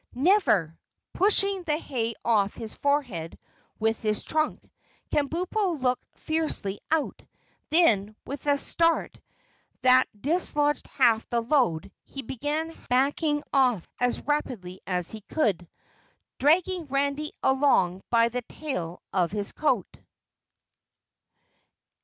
"Never!" Pushing the hay off his forehead with his trunk, Kabumpo looked fiercely out, then, with a start that dislodged half the load, he began backing off as rapidly as he could, dragging Randy along by the tail of his coat.